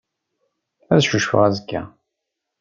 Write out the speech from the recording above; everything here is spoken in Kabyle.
Ad cucfeɣ azekka.